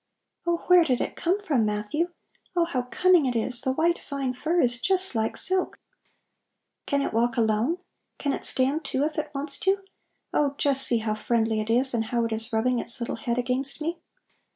"Oh, where did it come from, Matthew? Oh, how cunning it is! The white fine fur is just like silk! Can it walk alone? Can it stand, too, if it wants to? Oh, just see how friendly it is and how it is rubbing its little head against me."